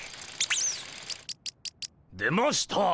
出ました！